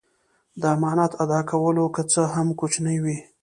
د امانت ادا کوه که څه هم کوچنی وي.